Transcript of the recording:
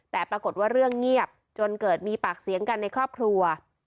แต่ปรากฏว่าเรื่องเงียบจนเกิดมีปากเสียงกันในครอบครัว